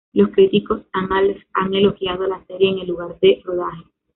Los críticos han elogiado la serie en el lugar de rodaje.